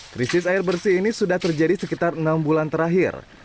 krisis air bersih ini sudah terjadi sekitar enam bulan terakhir